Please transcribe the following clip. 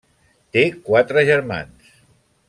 Té quatre germans.